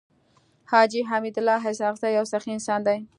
حاجي حميدالله اسحق زی يو سخي انسان دی.